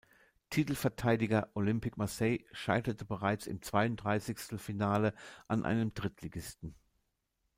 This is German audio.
Titelverteidiger Olympique Marseille scheiterte bereits im Zweiunddreißigstelfinale an einem Drittligisten.